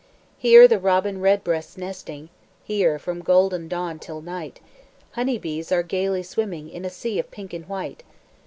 Here the robin redbreast's nesting, Here, from golden dawn till night, Honey bees are gaily swimming In a sea of pink and white.